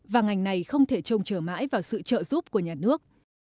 và ngành này không thể trông chờ mãi vào sự trợ giúp của nhà nước